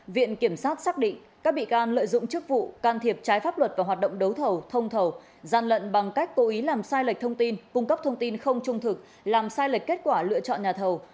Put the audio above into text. viện kiểm sát xác định các bị can lợi dụng chức vụ can thiệp trái pháp luật và hoạt động đấu thầu thông thầu gian lận bằng cách cố ý làm sai lệch thông tin cung cấp thông tin không trung thực làm sai lệch kết quả lựa chọn nhà thầu